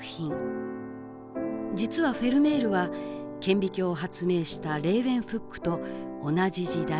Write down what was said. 実はフェルメールは顕微鏡を発明したレーウェンフックと同じ時代